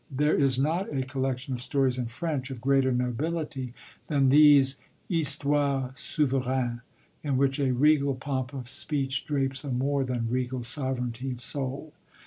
There is not a collection of stories in French of greater nobility than these Histoires Souveraines in which a regal pomp of speech drapes a more than regal sovereignty of soul.